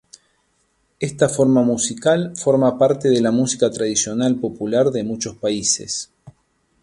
Esta forma musical forma parte de la música tradicional popular de muchos países.